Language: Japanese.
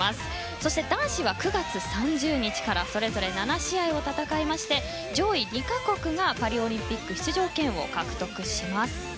そして男子は９月３０日からそれぞれ７試合を戦って上位２か国がパリオリンピック出場権を獲得します。